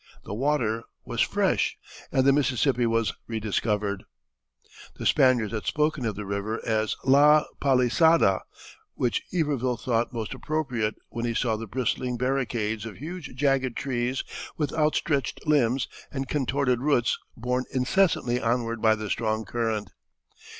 The water was fresh, and the Mississippi was rediscovered. The Spaniards had spoken of the river as La Palisada, which Iberville thought most appropriate when he saw the bristling barricades of huge jagged trees with outstretched limbs and contorted roots borne incessantly onward by the strong current.